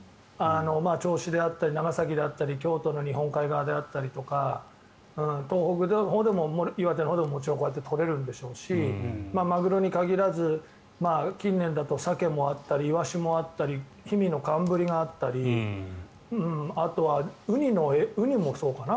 銚子であったり長崎であったり京都の日本海側であったりとか東北のほうでも岩手のほうでももちろん取れるんでしょうしマグロに限らず近年だとサケもあったりイワシもあったり氷見の寒ブリがあったりあとはウニもそうかな。